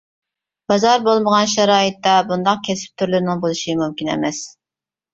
بازار بولمىغان شارائىتتا بۇنداق كەسىپ تۈرلىرىنىڭ بولۇشى مۇمكىن ئەمەس.